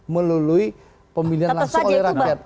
melalui pemilihan langsung oleh rakyat